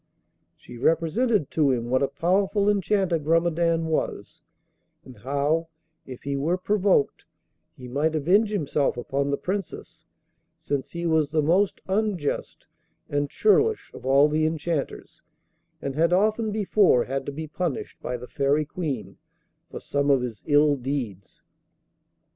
She represented to him what a powerful enchanter Grumedan was, and how, if he were provoked, he might avenge himself upon the Princess, since he was the most unjust and churlish of all the enchanters, and had often before had to be punished by the Fairy Queen for some of his ill deeds.